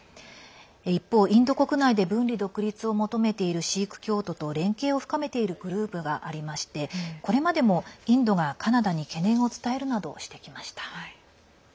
一方、インド国内で分離独立を求めているシーク教徒と連携を深めているグループがありましてこれまでも、インドがカナダに懸念を伝えるなどしてきました。